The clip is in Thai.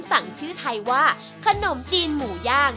สั่งชื่อไทยว่าขนมจีนหมูย่าง